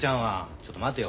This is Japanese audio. ちょっと待てよ。